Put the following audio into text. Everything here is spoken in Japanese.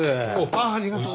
あっありがとう。